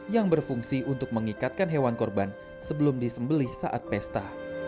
yang berfungsi untuk mengikatkan hewan korban sebelum disembeli saat pesta